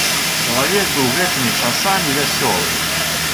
Чалавек быў гэтымі часамі вясёлы.